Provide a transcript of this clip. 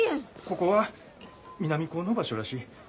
ここは南高の場所らしい。